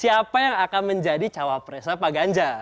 siapa yang akan menjadi cawapres paganjar